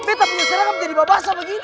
betta punya seremp jadi babasa begitu